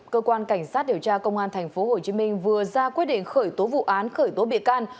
cơ quan cảnh sát điều tra công an tp hcm vừa ra quyết định khởi tố vụ án khởi tố bị can